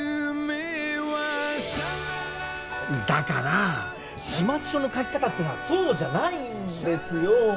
だから始末書の書き方っていうのはそうじゃないんですよ。